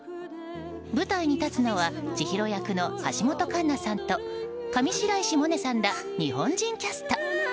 舞台に立つのは千尋役の橋本環奈さんと上白石萌音さんら日本人キャスト。